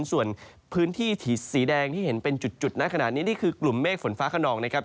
ส่วนพื้นที่สีแดงที่เห็นเป็นจุดณขณะนี้นี่คือกลุ่มเมฆฝนฟ้าขนองนะครับ